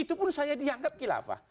itu pun saya diangkat hilafah